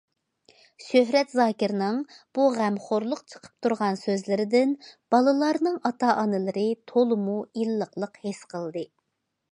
شۆھرەت زاكىرنىڭ بۇ غەمخورلۇق چىقىپ تۇرغان سۆزلىرىدىن بالىلارنىڭ ئاتا- ئانىلىرى تولىمۇ ئىللىقلىق ھېس قىلدى.